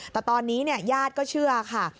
แต่ตอนนี้ญาติก็เชื่อค่ะ